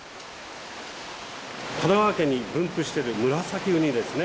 神奈川県に分布してるムラサキウニですね。